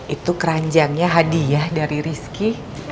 itu keranjangnya hadiah dari rizki